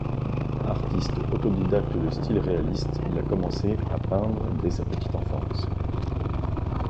Artiste autodidacte de style réaliste il a commencé à peindre dès sa petite enfance.